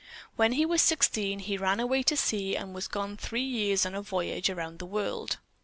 When he was sixteen he ran away to sea and was gone three years on a voyage around the world.